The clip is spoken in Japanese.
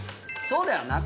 そうだよな